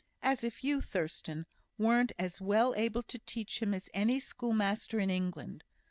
As if you, Thurstan, weren't as well able to teach him as any schoolmaster in England!